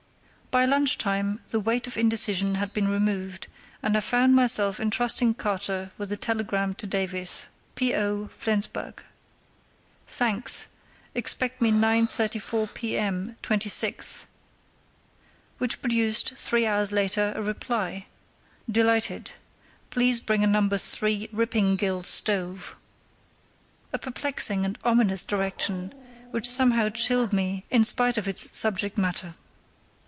By lunch time the weight of indecision had been removed, and I found myself entrusting Carter with a telegram to Davies, P.O., Flensburg. "Thanks; expect me 9.34 p.m. 26th"; which produced, three hours later, a reply: "Delighted; please bring a No. 3 Rippingille stove"—a perplexing and ominous direction, which somehow chilled me in spite of its subject matter.